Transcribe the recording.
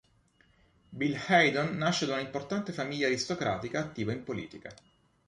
Bill Haydon nasce da un'importante famiglia aristocratica attiva in politica.